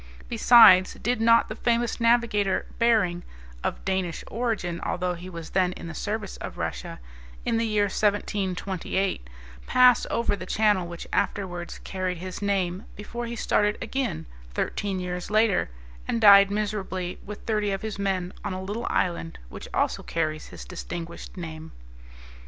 Besides, did not the famous navigator, Behring (of Danish origin, although he was then in the service of Russia), in the year 1728 pass over the channel which afterwards carried his name before he started again, thirteen years later, and died miserably with thirty of his men on a little island, which also carries his distinguished name.